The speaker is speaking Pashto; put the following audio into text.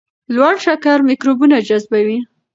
لوړ شکر میکروبونه جذبوي.